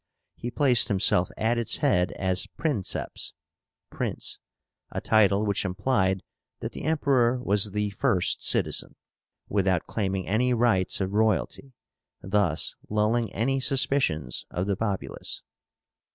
He placed himself at its head as PRINCEPS (prince), a title which implied that the Emperor was the first citizen, without claiming any rights of royalty, thus lulling any suspicions of the populace.